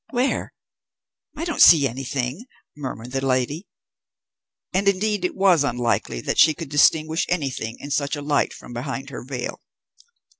"Where? I don't see anything," murmured the lady; and indeed it was unlikely that she could distinguish anything in such a light from behind her veil.